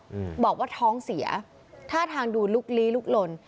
อืมบอกว่าท้องเสียท่าทางดูลุกลี้ลุกลน